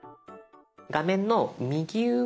画面の右上